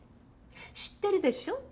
知ってるでしょ？